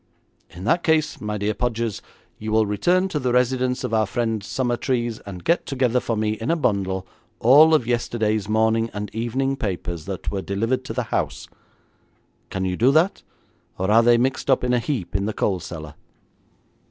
'In that case, my dear Podgers, you will return to the residence of our friend Summertrees, and get together for me in a bundle all of yesterday's morning and evening papers, that were delivered to the house. Can you do that, or are they mixed up in a heap in the coal cellar?'